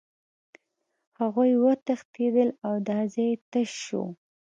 هغوی وتښتېدل او دا ځای تش شو